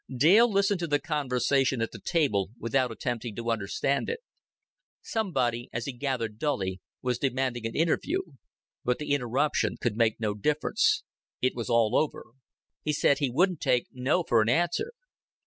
Dale listened to the conversation at the table without attempting to understand it. Somebody, as he gathered dully, was demanding an interview. But the interruption could make no difference. It was all over. "He said he wouldn't take 'No' for an answer."